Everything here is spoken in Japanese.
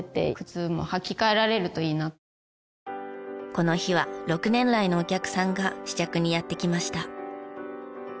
この日は６年来のお客さんが試着にやって来ました。